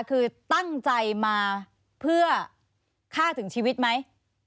คือตั้งใจมาเพื่อฆ่าถึงชีวิตไหม